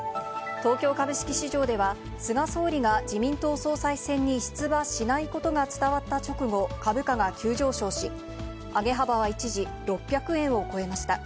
東京株式市場では、菅総理が自民党総裁選に出馬しないことが伝わった直後、株価が急上昇し、上げ幅は一時６００円を超えました。